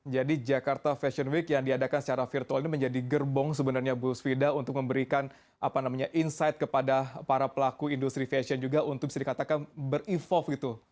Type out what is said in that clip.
jadi jakarta fashion week yang diadakan secara virtual ini menjadi gerbong sebenarnya bu svida untuk memberikan apa namanya insight kepada para pelaku industri fashion juga untuk bisa dikatakan ber evolve gitu